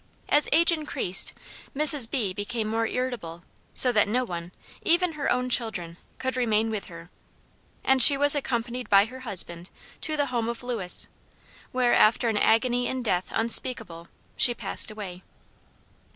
As age increased, Mrs. B. became more irritable, so that no one, even her own children, could remain with her; and she was accompanied by her husband to the home of Lewis, where, after an agony in death unspeakable, she passed away.